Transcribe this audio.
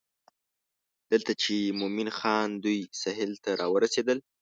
دلته چې مومن خان دوی سهیل ته راورسېدل.